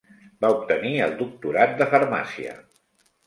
Va obtenir el doctorat de Farmàcia.